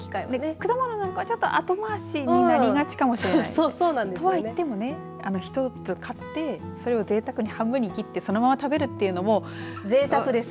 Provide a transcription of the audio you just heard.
果物はちょっと後回しになりがちかもしれない。とは言っても、１つ買ってぜいたくに半分に切ってそのまま食べるというのもぜいたくです。